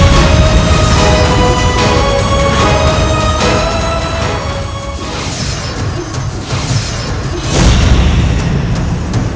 setakat kita bisa bergurau